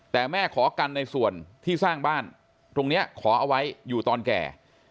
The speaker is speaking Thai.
แต่แม่ขอกันในส่วนที่สร้างบ้านตรงนี้ขอเอาไว้อยู่ตอนแก่